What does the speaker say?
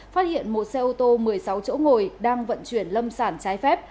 phát hiện một xe ô tô một mươi sáu chỗ ngồi đang vận chuyển lâm